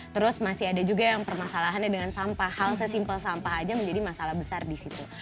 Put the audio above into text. terus masih ada juga yang permasalahannya dengan sampah hal sesimpel sampah aja menjadi masalah besar di situ